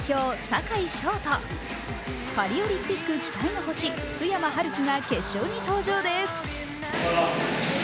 坂井丞とパリオリンピック期待の星・須山晴貴が決勝に登場です。